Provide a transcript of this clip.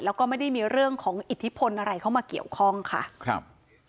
แล้วก็ไม่ได้มีเรื่องของอิทธิพลอะไรเข้ามาเกี่ยวข้องค่ะครับ